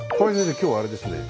今日あれですね。